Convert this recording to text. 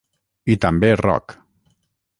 I també rock.